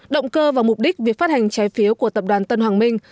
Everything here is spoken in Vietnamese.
động cơ và mục đích việc phát hành trái phiếu của tập đoàn tân hoàng minh